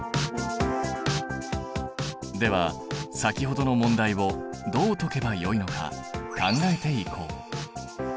では先ほどの問題をどう解けばよいのか考えていこう。